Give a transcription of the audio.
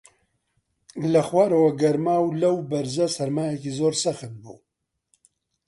لە خوارەوە گەرما و لەو بەرزە سەرمایەکی زۆر سەخت بوو